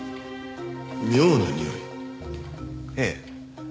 ええ。